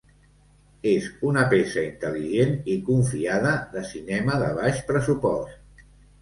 És una peça intel·ligent i confiada de cinema de baix pressupost.